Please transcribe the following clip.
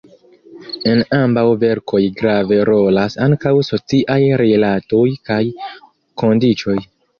En ambaŭ verkoj grave rolas ankaŭ sociaj rilatoj kaj kondiĉoj.